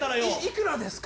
幾らですか？